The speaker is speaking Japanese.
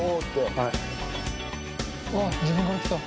はい。